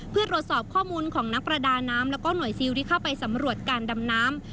เพื่อตรวจสอบข้อมูลของนักประดาน้ำแล้วก็หน่วยซิลที่เข้าไปสำรวจการดำน้ำ